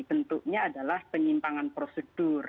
bentuknya adalah penyimpangan prosedur